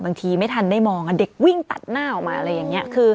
ไม่ทันได้มองเด็กวิ่งตัดหน้าออกมาอะไรอย่างนี้